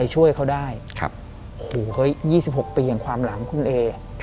หูยย๒๖ปีจนสงสารของคุณเอ